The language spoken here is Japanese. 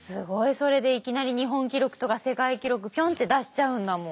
それでいきなり日本記録とか世界記録ぴょんって出しちゃうんだもん。